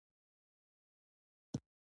چې موږ د هغه له نثره شکایت کوو.